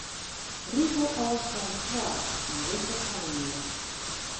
Rigelôfstân twa yn dizze alinea.